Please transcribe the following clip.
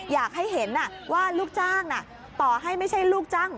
อยากให้เห็นว่าลูกจ้างต่อให้ไม่ใช่ลูกจ้าง